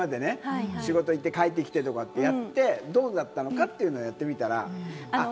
朝から寝るまでね、仕事行って帰ってきてとかってやって、どうだったのかというのをやってみたら。